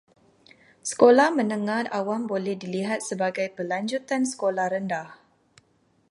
Sekolah menengah awam boleh dilihat sebagai pelanjutan sekolah rendah.